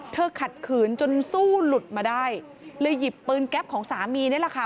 ขัดขืนจนสู้หลุดมาได้เลยหยิบปืนแก๊ปของสามีนี่แหละค่ะ